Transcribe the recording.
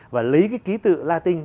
và lấy cái ký tự latin